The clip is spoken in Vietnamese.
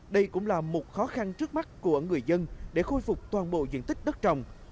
đây cũng là một khó khăn trước mắt của người dân để khôi phục toàn bộ diện tích đất trồng